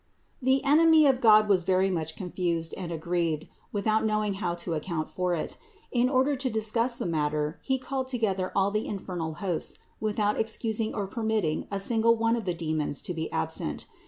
323. The enemy of God was very much confused and aggrieved, without knowing how to account for it. In order to discuss the matter, he called together all the infernal hosts, without excusing or permitting a single 258 THE INCARNATION 259 one of the demons to be absent.